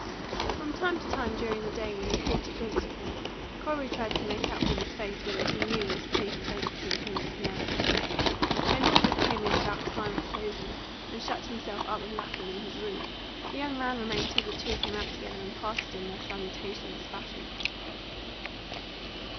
From time to time during the day, when he caught a glimpse of him, Corey tried to make out from his face whether he knew what had taken place between him and Penelope. When Rogers came in about time of closing, and shut himself up with Lapham in his room, the young man remained till the two came out together and parted in their salutationless fashion.